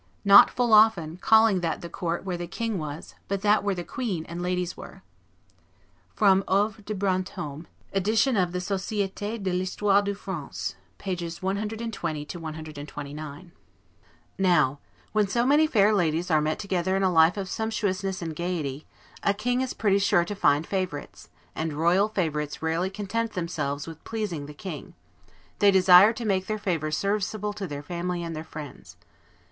Not, full often, calling that the court where the king was, but that where the queen and ladies were." [OEuvres de Brantome, edition of the Societe de l'Histoire de France, t. iii. pp. 120 129.] Now, when so many fair ladies are met together in a life of sumptuousness and gayety, a king is pretty sure to find favorites, and royal favorites rarely content themselves with pleasing the king; they desire to make their favor serviceable their family and their friends.